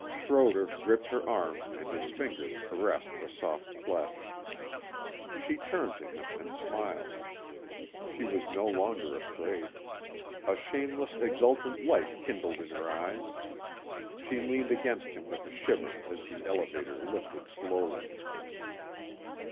Schroder gripped her arm and his fingers caressed the soft flesh. She turned to him and smiled. She was no longer afraid. A shameless, exultant light kindled in her eyes. She leaned against him with a shiver as the elevator lifted slowly.